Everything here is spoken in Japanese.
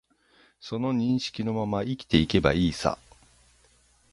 その認識のまま生きていけばいいさ